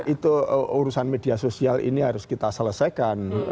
itu urusan media sosial ini harus kita selesaikan